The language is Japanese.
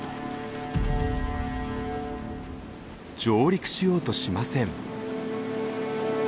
上陸しようとしません。